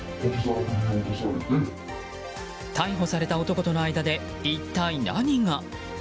逮捕された男との間で一体何が？